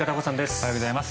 おはようございます。